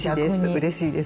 うれしいです逆に。